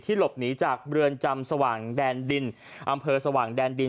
หลบหนีจากเรือนจำสว่างแดนดินอำเภอสว่างแดนดิน